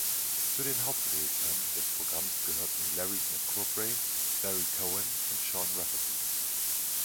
Zu den Hauptrednern des Programms gehörten Larry McCoubrey, Barry Cowan und Sean Rafferty.